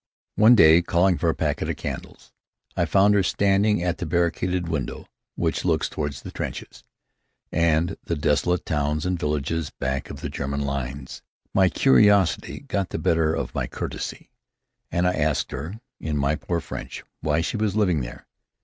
One day, calling for a packet of candles, I found her standing at the barricaded window which looks toward the trenches, and the desolate towns and villages back of the German lines. My curiosity got the better of my courtesy, and I asked her, in my poor French, why she was living there.